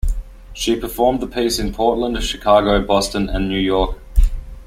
She performed the piece in Portland, Chicago, Boston, and New York.